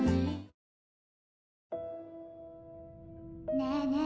・ねえねえ